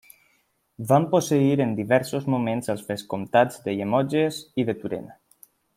Van posseir en diversos moments els vescomtats de Llemotges i de Turena.